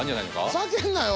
ふざけんなよ！